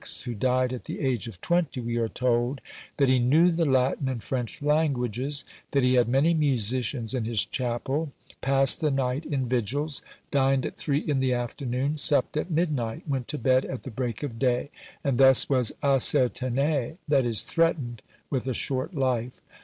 who died at the age of twenty, we are told, "that he knew the Latin and French languages; that he had many musicians in his chapel; passed the night in vigils; dined at three in the afternoon, supped at midnight, went to bed at the break of day, and thus was ascertené (that is threatened) with a short life."